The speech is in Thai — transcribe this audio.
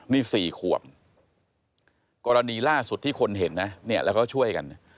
นี่๔ขวบกรณีล่าสุดที่คนเห็นนะแล้วก็ช่วยกัน